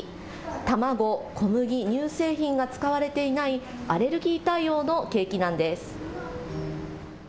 卵、小麦、乳製品が使われていないアレルギー対応のケーキなんです。